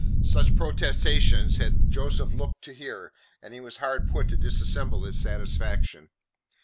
Such protestations had Joseph looked to hear, and he was hard put to it to dissemble his satisfaction.